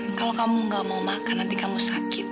jika kamu tidak mau makan kamu akan sakit